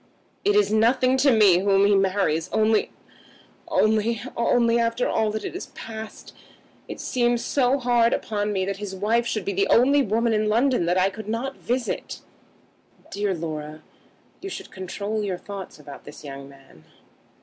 It is nothing to me whom he marries only, only, only, after all that has passed it seems hard upon me that his wife should be the only woman in London that I could not visit." "Dear Laura, you should control your thoughts about this young man."